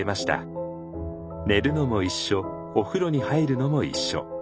寝るのも一緒お風呂に入るのも一緒。